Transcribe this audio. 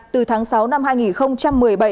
từ tháng sáu năm hai nghìn một mươi bảy